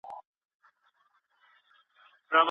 د کورني ژوند لپاره مشورې زيات اثرات لري.